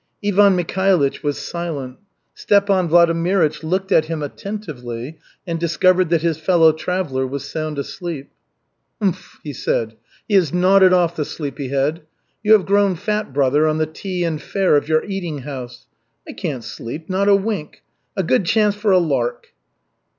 Ivan Mikhailych was silent. Stepan Vladimirych looked at him attentively and discovered that his fellow traveller was sound asleep. "Umph," he said. "He has nodded off, the sleepy head. You have grown fat, brother, on the tea and fare of your eating house. I can't sleep, not a wink. A good chance for a lark."